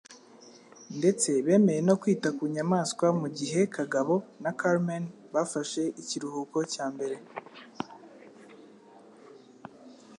Ndetse bemeye no kwita ku nyamaswa mu gihe Kagabo na Carmen bafashe ikiruhuko cya mbere.